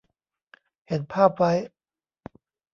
เห็นภาพไว้